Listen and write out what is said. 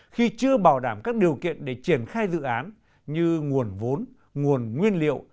khi chưa bảo đảm các điều kiện để triển khai dự án như nguồn vốn nguồn nguyên liệu